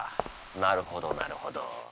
なるほどなるほど。